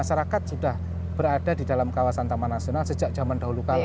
masyarakat sudah berada di dalam kawasan taman nasional sejak zaman dahulu kami